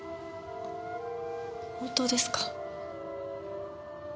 本当ですか？